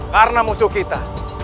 karena musuh kita